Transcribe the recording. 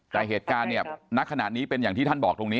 แต่เหตุการณ์เนี่ยณขณะนี้เป็นอย่างที่ท่านบอกตรงนี้